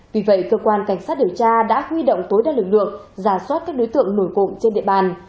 vì vậy cơ quan cảnh sát điều tra đã huy động tối đa lực lượng giả soát các đối tượng nổi cộng trên địa bàn